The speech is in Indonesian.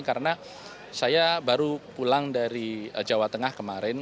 karena saya baru pulang dari jawa tengah kemarin